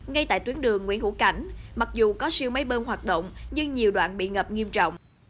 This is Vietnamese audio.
ngay tại tuyến đường nguyễn hữu cảnh mặc dù có siêu máy bơm hoạt động nhưng nhiều đoạn bị ngập nghiêm trọng